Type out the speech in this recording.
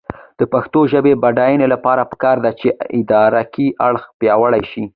د پښتو ژبې د بډاینې لپاره پکار ده چې ادراکي اړخ پیاوړی شي.